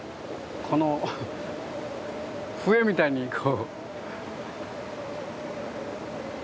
この笛みたいにこう。